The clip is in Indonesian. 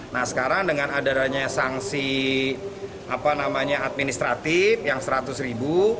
nah sekarang dengan adanya sanksi administratif yang seratus ribu